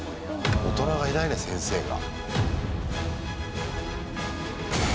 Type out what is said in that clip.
大人がいないね、先生が。